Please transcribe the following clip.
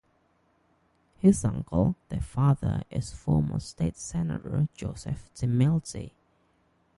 His uncle, their father, is former State Senator Joseph Timilty.